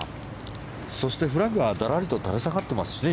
そしてフラッグはだらりと垂れ下がってますしね。